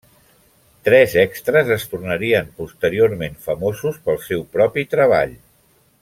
Tres extres es tornarien posteriorment famosos pel seu propi treball.